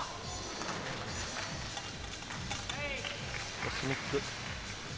コスミック。